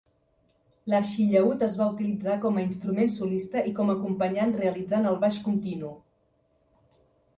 L'arxillaüt es va utilitzar com a instrument solista i com acompanyant realitzant el baix continu.